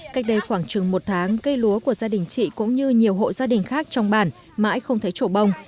cách đây khoảng chừng một tháng cây lúa của gia đình chị cũng như nhiều hộ gia đình khác trong bản mãi không thấy chỗ bông